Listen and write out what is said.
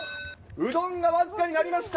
うどんが僅かになりました。